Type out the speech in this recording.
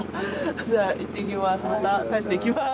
じゃあいってきます。